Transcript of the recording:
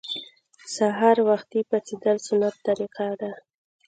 سهار وختي پاڅیدل سنت طریقه ده